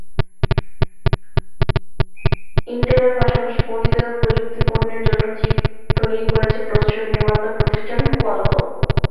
ইনটেলের পাশাপাশি পরিধেয় প্রযুক্তিপণ্যের জন্য চিপ তৈরি করেছে প্রসেসর নির্মাতা প্রতিষ্ঠান কোয়ালকম।